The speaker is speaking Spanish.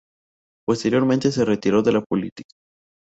Posteriormente se retiró de la política.